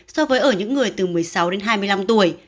so với ở những người từ một mươi sáu đến hai mươi năm tuổi